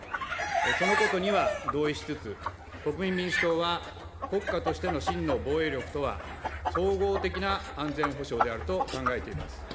そのことには同意しつつ、国民民主党は、国家としての真の防衛力とは、総合的な安全保障であると考えています。